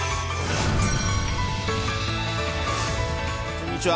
こんにちは。